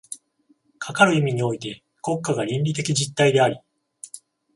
かかる意味において国家が倫理的実体であり、